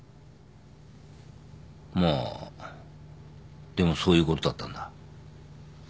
まあでもそういうことだったんだ。